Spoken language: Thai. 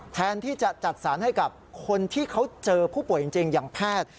แทนที่จะจัดสรรให้กับคนที่เขาเจอผู้ป่วยจริงอย่างแพทย์